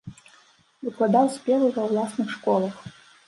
Выкладаў спевы ва ўласных школах.